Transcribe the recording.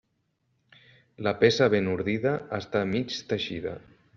La peça ben ordida està mig teixida.